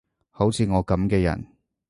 好似我噉嘅人